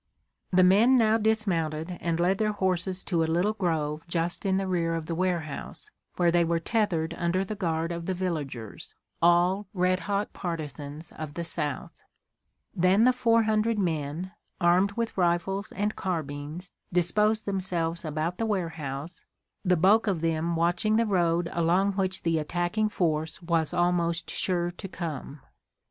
The men now dismounted and led their horses to a little grove just in the rear of the warehouse, where they were tethered under the guard of the villagers, all red hot partisans of the South. Then the four hundred men, armed with rifles and carbines, disposed themselves about the warehouse, the bulk of them watching the road along which the attacking force was almost sure to come.